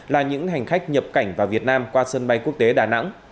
là những hành khách nhập cảnh vào việt nam qua sân bay quốc tế đà nẵng